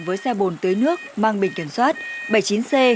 với xe bồn tưới nước mang bình kiểm soát bảy mươi chín c hai nghìn ba trăm ba mươi tám